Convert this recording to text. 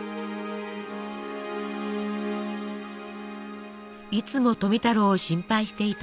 いつも富太郎を心配していた壽衛。